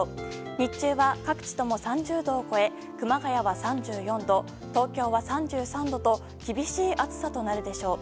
日中は各地とも３０度を超え熊谷は３４度、東京は３３度と厳しい暑さとなるでしょう。